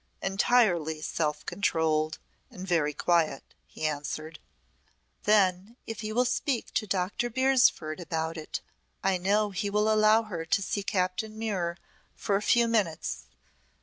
"Entirely self controlled and very quiet," he answered. "Then if you will speak to Dr. Beresford about it I know he will allow her to see Captain Muir for a few minutes.